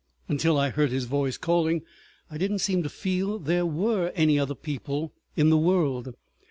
Until I heard his voice calling I did not seem to feel there were any other people in the world.